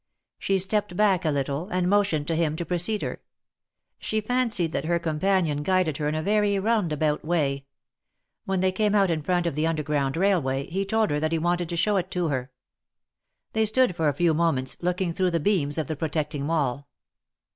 She stepped back a little, and motioned to him to precede her. She fancied that her companion^ guided her in a very roundabout way. When they came out in front of the underground railway, he told her that he wanted to show it to her. They stood for a few moments, looking through the beams of the protecting wall.